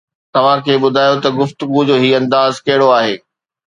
توهان کي ٻڌايو ته گفتگو جو هي انداز ڪهڙو آهي